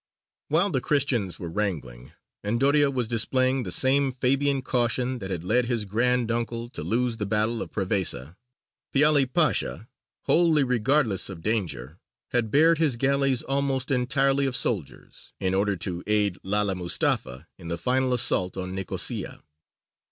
While the Christians were wrangling, and Doria was displaying the same Fabian caution that had led his grand uncle to lose the battle of Prevesa, Piāli Pasha, wholly regardless of danger, had bared his galleys almost entirely of soldiers, in order to aid Lala Mustafa in the final assault on Nicosia.